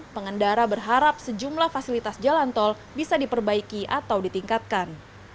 pengendara berharap sejumlah fasilitas jalan tol bisa diperbaiki atau ditingkatkan